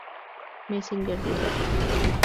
Messenger de Yahoo!.